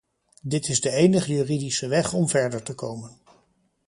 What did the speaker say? Dit is de enige juridische weg om verder te komen.